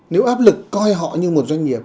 nếu áp lực coi họ như một doanh nghiệp